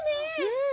うん。